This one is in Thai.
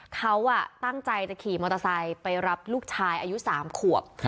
เขาตั้งใจจะขี่มอเตอร์ไซค์ไปรับลูกชายอายุ๓ขวบ